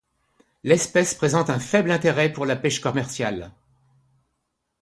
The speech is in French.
L’espèce présente un faible intérêt pour la pêche commerciale.